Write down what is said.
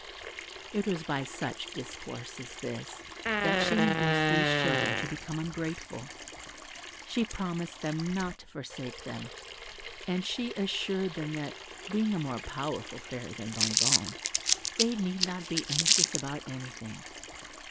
It was by such discourse as this that she induced these children to become ungrateful: she promised them not to forsake them, and assured them that, being a more powerful fairy than Bonnebonne, they need not be anxious about anything.